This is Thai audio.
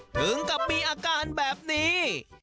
ถึงกับมีอาการแบบนี้